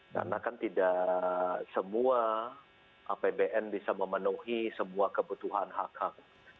karena kan tidak semua apbn bisa memenuhi semua kebutuhan hak hak